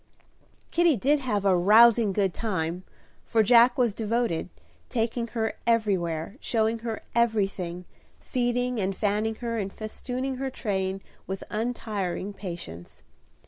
Kitty did have "a rousing good time;" for Jack was devoted, taking her everywhere, showing her everything, feeding and fanning her, and festooning her train with untiring patience.